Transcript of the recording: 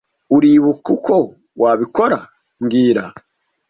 Uribuka uko wabikora mbwira